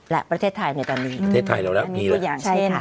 และประเทศไทยอยู่ตอนนี้ประเทศไทยแล้วละมีอย่างใช้ค่ะ